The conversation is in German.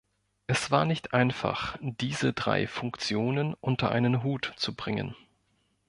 Es war nicht einfach, diese drei Funktionen unter einen Hut zu bringen.